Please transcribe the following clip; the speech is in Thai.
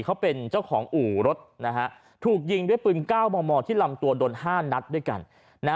เขาเป็นเจ้าของอู่รถนะฮะถูกยิงด้วยปืน๙มมที่ลำตัวโดน๕นัดด้วยกัน